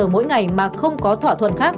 mỗi ngày mà không có thỏa thuận khác